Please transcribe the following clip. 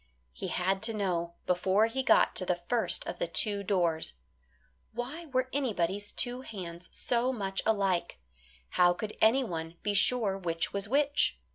He had to know before he got to the first of the two doors. Why were anybody's two hands so much alike? How could anyone be sure which was which?